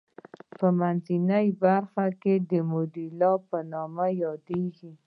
منځنۍ برخه د میدولا په نامه یادیږي.